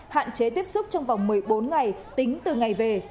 hạn chế tiếp xúc trong vòng một mươi bốn ngày tính từ ngày về